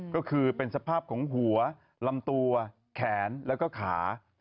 ก็คือเป็นสภาพของหัวลำตัวแขนแล้วก็ขา